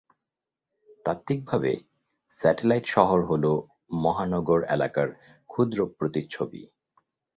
তাত্ত্বিকভাবে, স্যাটেলাইট শহর হলো মহানগর এলাকার ক্ষুদ্র প্রতিচ্ছবি।